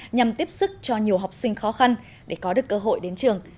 nhằm tiếp sức cho nhiều học sinh khó khăn để có được cơ hội đến trường